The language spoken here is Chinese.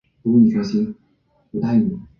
宽苞黄芩为唇形科黄芩属下的一个种。